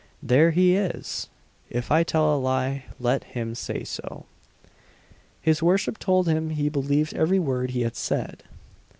There he is! If I tell a lie, let him say so." His worship told him he believed every word he had said.